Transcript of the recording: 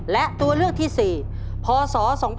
และตัวเลือกที่๔พศ๒๕๖